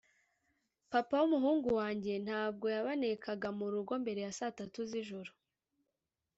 papa w’umuhungu wanjye ntabwo yabanekaga mu rugo mbere ya saa tatu z’ijoro,